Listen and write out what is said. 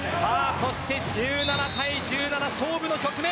１７対１７、勝負の局面。